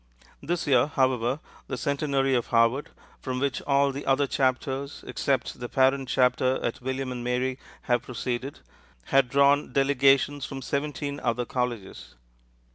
This year, however, the centenary of Harvard, from which all the other chapters, except the parent chapter at William and Mary, have proceeded, had drawn delegations from seventeen other colleges.